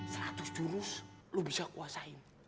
seratus jurus lo bisa kuasain